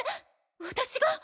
私が！？